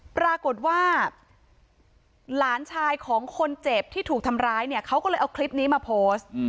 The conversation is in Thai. ปรากฏว่าหลานชายของคนเจ็บที่ถูกทำร้ายเนี่ยเขาก็เลยเอาคลิปนี้มาโพสต์